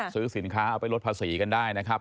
ซื้อสินค้าเอาไปลดภาษีกันได้นะครับ